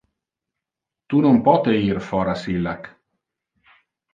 Tu non pote ir foras illac.